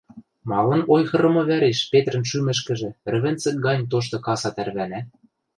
Малын ойхырымы вӓреш Петрӹн шӱмӹшкӹжӹ рӹвӹнзӹк гань тошты каса тӓрвӓнӓ?